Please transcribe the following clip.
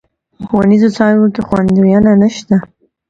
په ښوونيزو څانګو کې خونديينه نشته.